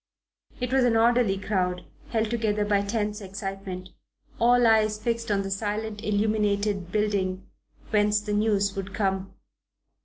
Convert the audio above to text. It was an orderly crowd, held together by tense excitement: all eyes fixed on the silent illuminated building whence the news would come.